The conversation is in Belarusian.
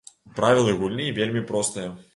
Правілы гульні вельмі простыя.